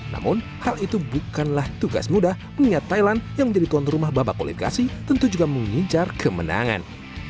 namun hal itu bukanlah tugas mudah mengingat thailand yang menjadi tuan rumah babak kualifikasi tentu juga mengincar kemenangan